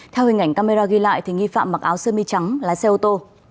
theo hình ảnh camera ghi lại thì nghi phạm mặc áo sơ mi trắng lái xe ô tô